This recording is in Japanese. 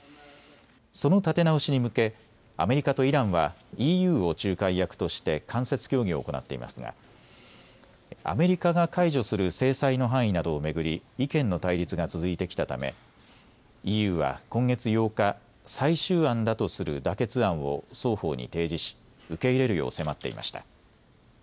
その立て直しに向けアメリカとイランはＥＵを仲介役として間接協議を行っていますがアメリカが解除する制裁の範囲などを巡り意見の対立が続いてきたためＥＵは今月８日、最終案だとする妥結案を双方に提示し受け入れるよう迫っていました。